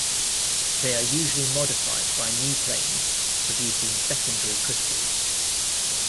They are usually modified by new planes, producing secondary crystals.